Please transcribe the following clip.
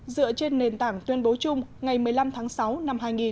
dựa trên nền tảng tuyên bố chung ngày một mươi năm tháng sáu năm hai nghìn